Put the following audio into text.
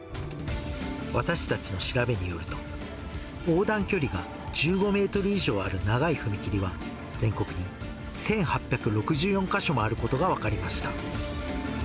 私たちの調べによると、横断距離が１５メートル以上ある長い踏切は、全国に１８６４か所もあることが分かりました。